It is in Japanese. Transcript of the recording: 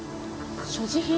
所持品？